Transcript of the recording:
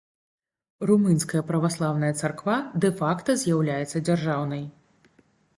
Румынская праваслаўная царква дэ-факта з'яўляецца дзяржаўнай.